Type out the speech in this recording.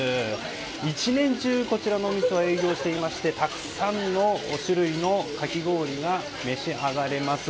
１年中こちらのお店は営業していましてたくさんの種類のかき氷が召し上がれます。